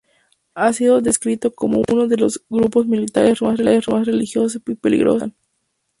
Ha sido descrito como "uno de los grupos militares religiosos más peligrosos de Pakistán.